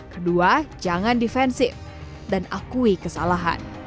kedua jangan defensif dan akui kesalahan